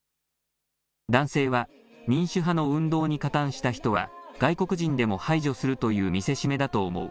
男性は民主派の運動に加担した人は外国人でも排除するという見せしめだと思う。